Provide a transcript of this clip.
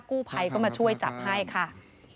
กู้ภัยก็มาช่วยจับให้ค่ะ